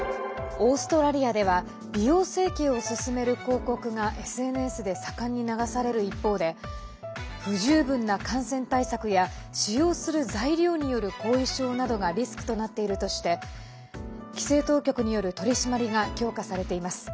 オーストラリアでは美容整形を勧める広告がＳＮＳで盛んに流される一方で不十分な感染対策や使用する材料による後遺症などがリスクとなっているとして規制当局による取り締まりが強化されています。